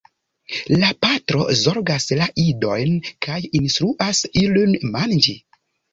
La patro zorgas la idojn kaj instruas ilin manĝi.